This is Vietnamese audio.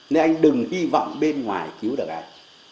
nên anh đừng hy vọng bên ngoài cứu được anh